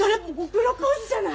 プロポーズじゃない？